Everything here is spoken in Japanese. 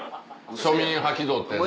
庶民派気取ってね。